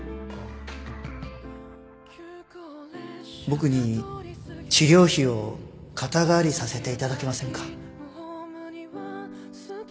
僕に治療費を肩代わりさせていただけませんか？